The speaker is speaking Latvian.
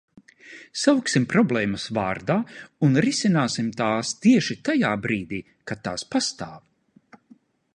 Sauksim problēmas vārdā un risināsim tās tieši tajā brīdī, kad tās pastāv.